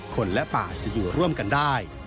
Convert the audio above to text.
คนและป่าจะอยู่ร่วมกันได้